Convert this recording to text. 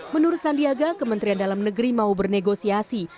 menurut sandiaga kementerian dalam negeri mau bernegosiasi